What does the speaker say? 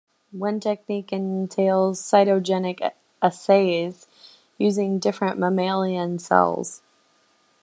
One technique entails cytogenetic assays using different mammalian cells.